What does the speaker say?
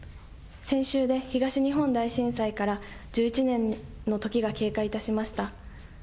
先週で東日本大震災から１１年の時が経過いたしました。